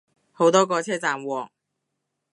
好多個車站喎